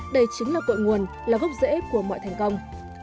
đây chính là cội nguồn là gốc rễ của mọi thành công